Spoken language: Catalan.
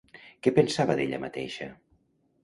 Què pensava d'ella mateixa?